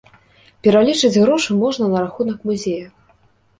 Пералічыць грошы можна на рахунак музея.